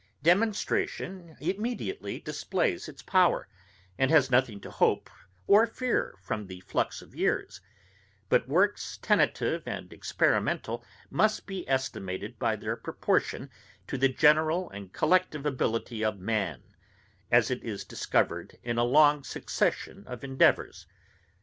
Demonstration immediately displays its power, and has nothing to hope or fear from the flux of years; but works tentative and experimental must be estimated by their proportion to the general and collective ability of man, as it is discovered in a long succession of endeavours.